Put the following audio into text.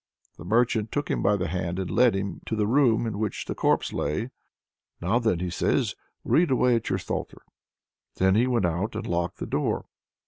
The merchant took him by the hand and led him to the room in which the corpse lay. "Now then," he says, "read away at your psalter." Then he went out and locked the door.